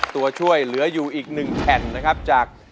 ตัวช่วยเหลืออยู่อีก๑แผ่นนะครับจาก